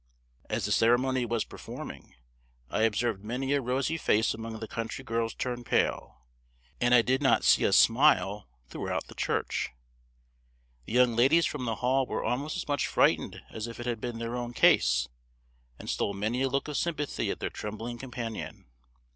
As the ceremony was performing, I observed many a rosy face among the country girls turn pale, and I did not see a smile throughout the church. The young ladies from the Hall were almost as much frightened as if it had been their own case, and stole many a look of sympathy at their trembling companion.